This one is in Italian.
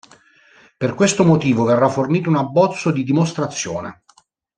Per questo motivo verrà fornito un abbozzo di dimostrazione.